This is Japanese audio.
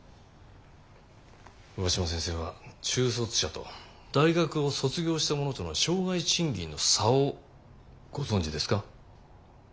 上嶋先生は中卒者と大学を卒業した者との生涯賃金の差をご存じですか？